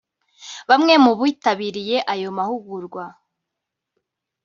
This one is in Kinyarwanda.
Bamwe mu bitabiriye ayo mahugurwa